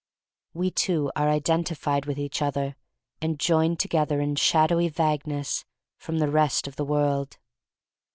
We two are identified with each other and joined together in shadowy vagueness from the rest of the world.